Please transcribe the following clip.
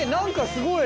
すごい。